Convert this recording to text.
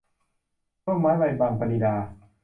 ร่มไม้ใบบัง - ปณิดา